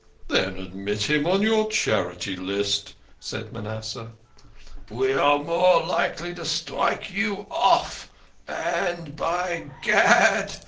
"Then admit him on your Charity List," said Manasseh. " We are more likely to strike you off ! And, by gad